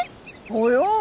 およ。